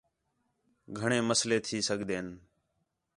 گھݨیں مسئلے تھی سڳدے ہِن